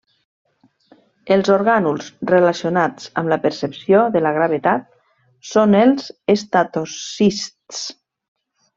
Els orgànuls relacionats amb la percepció de la gravetat són els estatocists.